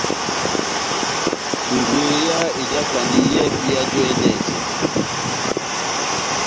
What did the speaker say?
Ngweya ejakandi yɛhɛpi yajú e yɛnɛsɛ.